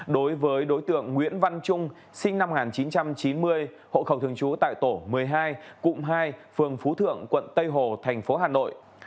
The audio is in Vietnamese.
đối với đối tượng nguyễn văn trung sinh năm một nghìn chín trăm chín mươi hộ khẩu thường trú tại tổ một mươi hai cụm hai phường phú thượng quận tây hồ thành phố hà nội